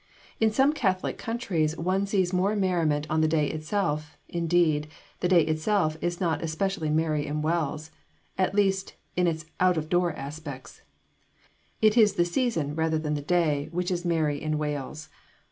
In some Catholic countries one sees more merriment on the day itself; indeed, the day itself is not especially merry in Wales, at least in its out door aspects. It is the season rather than the day which is merry in Wales.